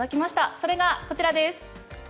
それがこちらです。